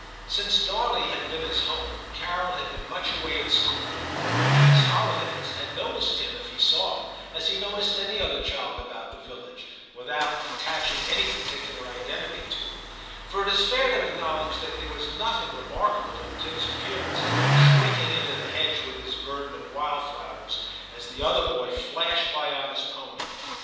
Since Darley had been his home, Carol had been much away at school, and in his holidays, had noticed Tim, if he saw him, as he noticed any other child about the village, without attaching any particular identity to him, for it is fair to acknowledge that there * was nothing remarkable in Tim's appearance shrinking into the hedge with his burden of wildflowers, as the other boy flashed by on his pony.